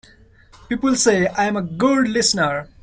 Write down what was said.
People say I'm a good listener.